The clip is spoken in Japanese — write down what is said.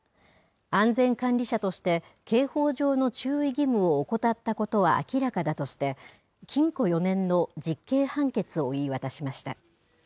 安全管理者として刑法上の注意義務を怠ったことは明らかだとして禁錮４年の実刑判決を言い渡しました。